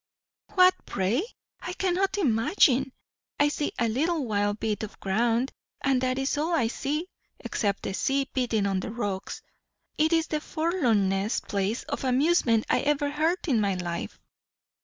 "What, pray? I cannot imagine. I see a little wild bit of ground, and that is all I see; except the sea beating on the rocks. It is the forlornest place of amusement I ever heard of in my life!"